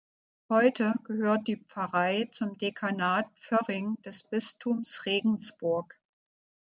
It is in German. Heute gehört die Pfarrei zum Dekanat Pförring des Bistums Regensburg.